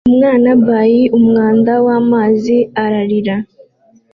Umwana by umwanda wamazi ararira